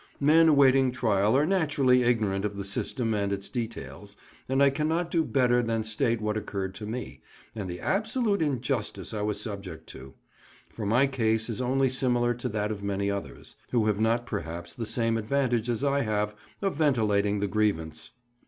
Men awaiting trial are naturally ignorant of the system and its details, and I cannot do better than state what occurred to me, and the absolute injustice I was subject to; for my case is only similar to that of many others, who have not perhaps the same advantage as I have of ventilating the grievance.